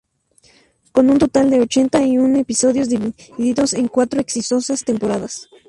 Con un total de ochenta y un episodios divididos en cuatro exitosas temporadas.